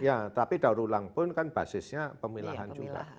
ya tapi daur ulang pun kan basisnya pemilahan juga